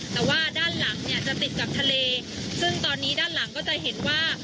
แต่ว่าด้านหลังเนี่ยจะติดกับทะเลซึ่งตอนนี้ด้านหลังก็จะเห็นว่า